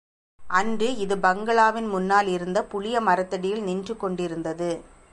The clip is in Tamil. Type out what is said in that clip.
அன்று, இது பங்களாவின் முன்னால் இருந்த புளிய மரத்தடியில் நின்று கொண்டிருந்தது.